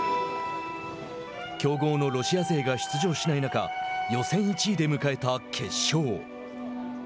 強豪のロシア勢が出場しない中予選１位で迎えた決勝。